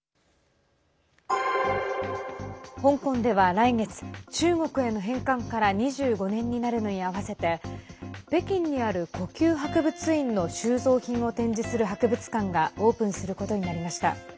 香港では来月中国への返還から２５年になるのに合わせて北京にある故宮博物院の収蔵品を展示する博物館がオープンすることになりました。